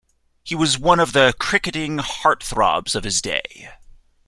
He was one of the cricketing heart-throbs of his day.